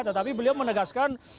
tetapi beliau menegaskan